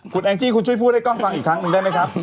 คุณแอลจี้คุณช่วยพูดให้กล้องฟังอีกครั้งได้มั้ยครับ